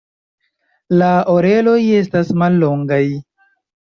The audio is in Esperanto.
La oreloj estas mallongaj.